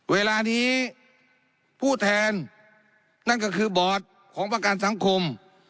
เวลานี้ผู้แทนนั่นก็คือบอร์ดของประกันสังคม